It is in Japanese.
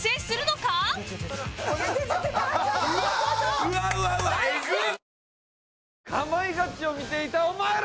『かまいガチ』を見ていたお前ら！